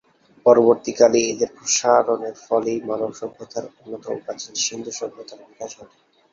পরবর্তীকালে এদের প্রসারণের ফলেই মানব সভ্যতার অন্যতম প্রাচীন সিন্ধু সভ্যতার বিকাশ ঘটে।